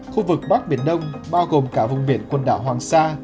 khu vực bắc biển đông bao gồm cả vùng biển quần đảo hoàng sa